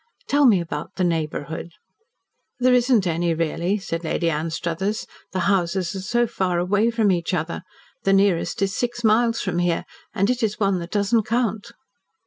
"Tell me about the neighbourhood." "There isn't any, really," said Lady Anstruthers. "The houses are so far away from each other. The nearest is six miles from here, and it is one that doesn't count.